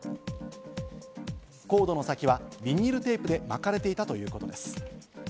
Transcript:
コードの先はビニールテープで巻かれていたということです。